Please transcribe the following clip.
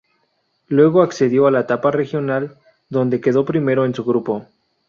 Luego accedió a la Etapa Regional donde quedó primero en su grupo.